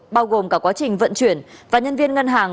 bao gồm cả quá trình vận chuyển và nhân viên ngân hàng